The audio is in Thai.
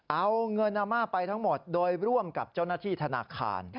เอาเงินอาม่าไปทั้งหมดโดยร่วมกับเจ้าหน้าที่ธนาคาร